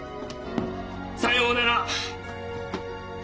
さようなら！